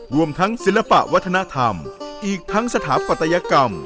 รวมทั้งศิลปะวัฒนธรรมอีกทั้งสถาปัตยกรรม